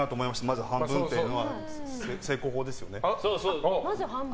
まず半分というのは正攻法ですよね。